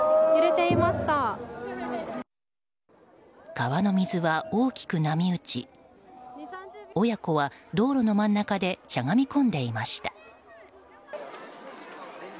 川の水は大きく波打ち親子は道路の真ん中でしゃがみこんでいました。